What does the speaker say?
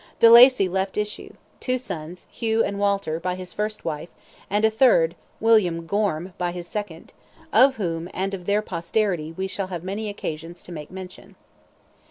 De Lacy left issue—two sons, Hugh and Walter, by his first wife, and a third, William Gorm, by his second—of whom, and of their posterity, we shall have many occasions to make mention.